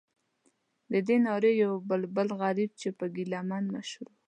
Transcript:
ددې نارې یو بلبل غریب چې په ګیله من مشهور و.